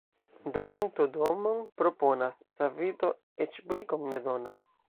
Dronanto domon proponas, savito eĉ brikon ne donas.